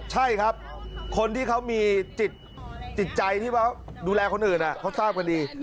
ใช่ครับคนที่เขามีจิตใจที่ดูแลคนอื่นเขาทราบกันดี